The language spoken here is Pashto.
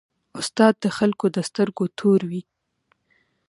استاد د خلکو د سترګو تور وي.